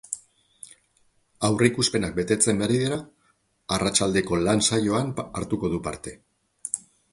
Aurreikuspenak betetzen badira arratsaldeko lan saioan hartuko du parte.